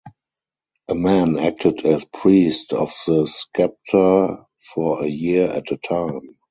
A man acted as priest of the scepter for a year at a time.